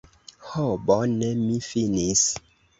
Ho bone mi finis